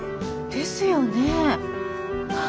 ですよね。